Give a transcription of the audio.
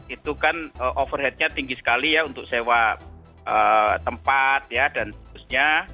itu kan overheadnya tinggi sekali ya untuk sewa tempat ya dan seterusnya